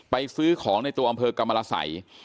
ซื้อของในตัวอำเภอกรรมรสัย